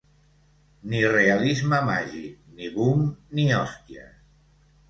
Ni realisme màgic ni boom ni hòsties.